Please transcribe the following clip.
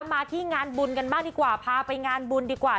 มาที่งานบุญกันบ้างดีกว่าพาไปงานบุญดีกว่า